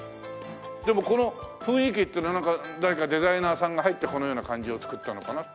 でもこの雰囲気っていうのはなんか誰かデザイナーさんが入ってこのような感じをつくったのかな？